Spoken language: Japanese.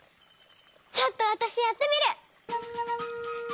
ちょっとわたしやってみる！